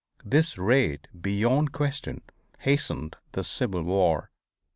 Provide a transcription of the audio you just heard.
This raid beyond question hastened in the Civil War.